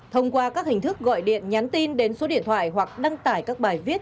thông qua các hình thức gọi điện nhắn tin đến số điện thoại hoặc đăng tải các bài viết